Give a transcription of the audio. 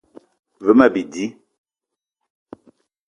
Ve ma bidi